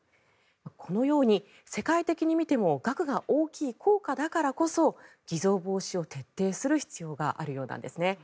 このように、世界的に見ても額が大きい硬貨だからこそ偽造防止を徹底する必要があるようなんですね。